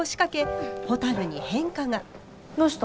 どうした？